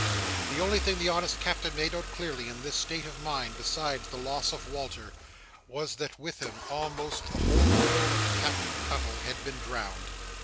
The only thing the honest Captain made out clearly, in this state of mind, besides the loss of Walter, was, that with him almost the whole world of Captain Cuttle had been drowned.